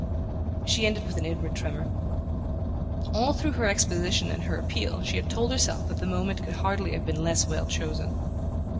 She ended with an inward tremor. All through her exposition and her appeal she had told herself that the moment could hardly have been less well chosen.